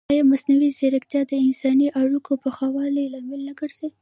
ایا مصنوعي ځیرکتیا د انساني اړیکو یخوالي لامل نه ګرځي؟